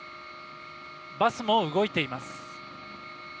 バスも動いています。